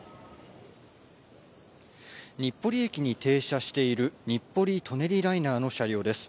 日暮里駅に停車している日暮里・舎人ライナーの車両です。